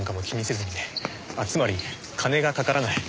つまり金がかからない。